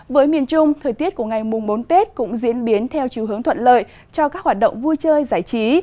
với miền trung thời tiết của ngày mùng bốn tết cũng diễn biến theo chiều hướng thuận lợi cho các hoạt động vui chơi giải trí